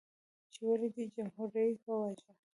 چې ولې دې جمهور رئیس وواژه؟